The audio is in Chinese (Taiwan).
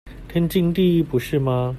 天經地義不是嗎？